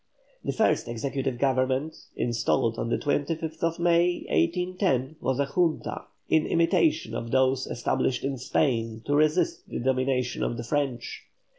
The first Executive Government, installed on the 25th May, 1810, was a Junta, in imitation of those established in Spain to resist the domination of the French.